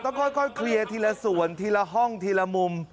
ค่อยเคลียร์ทีละส่วนทีละห้องทีละมุม